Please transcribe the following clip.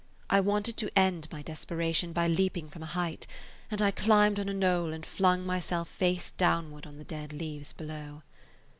I wanted to end my desperation by leaping from a height, and I climbed on a knoll and flung myself face downward on the dead leaves below.